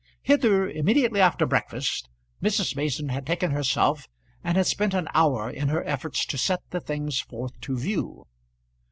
Hither immediately after breakfast Mrs. Mason had taken herself, and had spent an hour in her efforts to set the things forth to view.